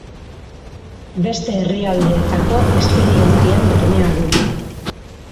Beste herrialdeetako esperientzien bermea du.